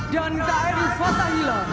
dan kri fatahila